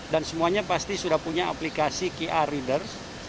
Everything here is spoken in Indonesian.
dan semuanya pasti sudah punya aplikasi qr reader